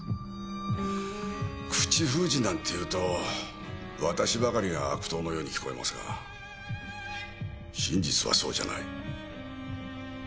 口封じなんていうと私ばかりが悪党のように聞こえますが真実はそうじゃない。